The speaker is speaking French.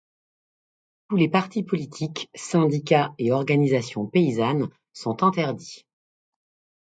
Tous les partis politiques, syndicats et organisations paysannes sont interdits.